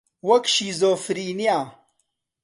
وەک شیزۆفرینیا